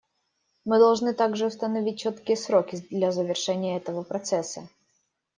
Мы должны также установить четкие сроки для завершения этого процесса.